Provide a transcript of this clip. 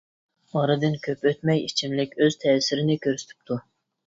ئارىدىن كۆپ ئۆتمەي، ئىچىملىك ئۆز تەسىرىنى كۆرسىتىپتۇ.